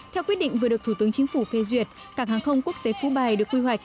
theo quyết định vừa được thủ tướng chính phủ phê duyệt cảng hàng không quốc tế phú bài được quy hoạch